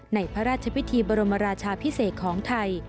ในพระราชพิธีบรมราชาพิเศษของไทย